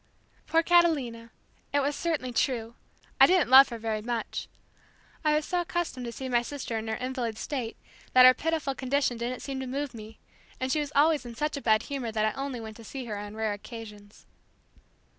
Poor Catalina! It was certainly true I didn't love her very much. I was so accustomed to see my sister in her invalid state that her pitiful condition didn't seem to move me, and she was always in such a bad humor that I only went to see her on rare occasions.